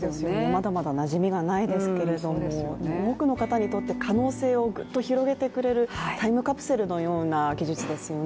まだまだなじみがないですけれど、多くの人にとって可能性をぐっと広げてくれるタイムカプセルのような技術ですよね。